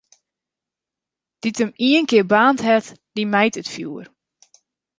Dy't him ienkear baarnd hat, dy mijt it fjoer.